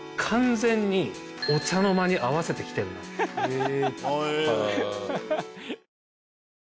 へえ。